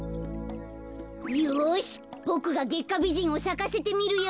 よしボクがゲッカビジンをさかせてみるよ。